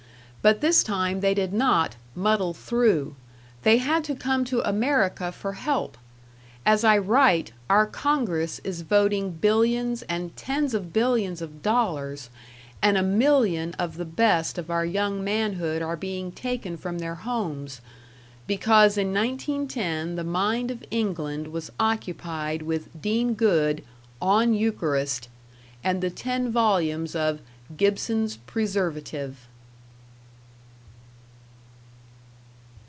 But this time they did not "muddle through" they had to come to America for help. As I write, our Congress is voting billions and tens of billions of dollars, and a million of the best of our young manhood are being taken from their homes because in 1910 the mind of England was occupied with Dean Goode "On Eucharist", and the ten volumes of Gibson's "Preservative".